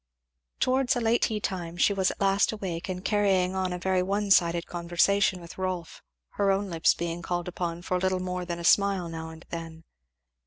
Towards a late tea time she was at last awake, and carrying on a very one sided conversation with Rolf, her own lips being called upon for little more than a smile now and then.